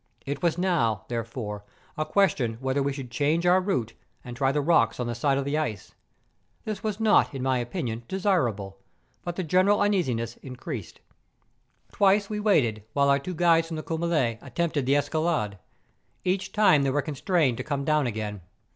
It was now, therefore, a question whether we should change our route, and try the rocks at the side of the ice. This was not, in my opinion, desirable; but the general uneasiness increased. Twice we waited while our two guides from the Coumelie attempted the escalade. Each time they were constrained to come down again.